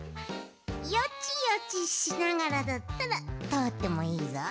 ヨチヨチしながらだったらとおってもいいぞ。